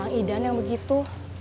kang ida yang begitu